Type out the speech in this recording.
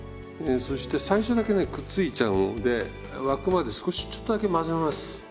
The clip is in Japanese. そして最初だけねくっついちゃうんで沸くまで少しちょっとだけ混ぜます。